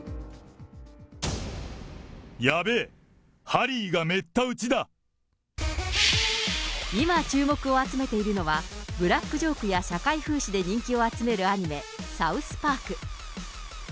やべぇ、今、注目を集めているのは、ブラックジョークや社会風刺で人気を集めるアニメ、サウスパーク。